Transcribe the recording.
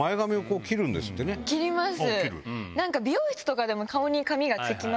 切ります。